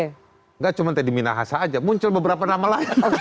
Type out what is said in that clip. tidak cuma teddy minahasa aja muncul beberapa nama lain